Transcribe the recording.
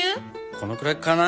このくらいかな？